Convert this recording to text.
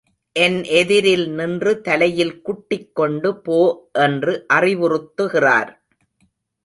என் எதிரில் நின்று தலையில் குட்டிக் கொண்டு போ என்று அறிவுறுத்துகிறார்.